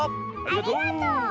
ありがとう！